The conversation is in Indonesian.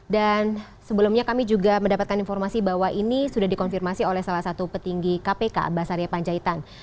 dan sebelumnya kami juga mendapatkan informasi bahwa ini sudah dikonfirmasi oleh salah satu petinggi kpk basaria panjaitan